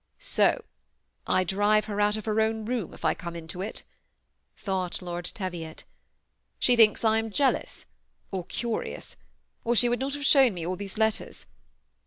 " So ! I drive her out of her own room, if I come into it," thought Lord Teviot. " She thinks I am jealous, or curious, or she would not have shown me all these letters.